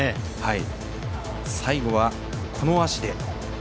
最後はこの脚で。